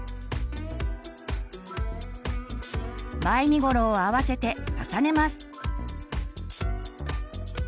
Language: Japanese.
前身頃を合わせて重ねます。